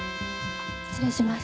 あっ失礼します。